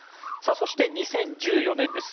そして２０１４年です。